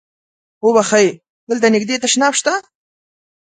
اوبښئ! دلته نږدې تشناب شته؟